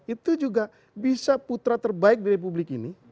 itu juga bisa putra terbaik di republik ini